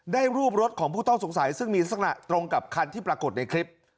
ได้รูปรถของผู้ต้องสงสัยซึ่งมีลักษณะตรงกับคันที่ปรากฏในคลิป